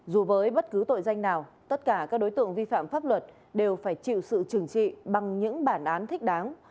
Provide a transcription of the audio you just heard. dù với bất cứ tội danh nào tất cả các đối tượng vi phạm pháp luật đều phải chịu sự trừng trị bằng những bản án thích đáng